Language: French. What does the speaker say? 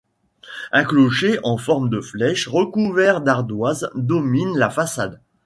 Un clocher en forme de flèche recouvert d'ardoises domine la façade.